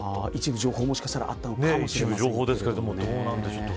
一部情報、もしかしたらあったのかもしれませんけどね。